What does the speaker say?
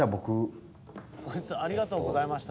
こいつ「ありがとうございました」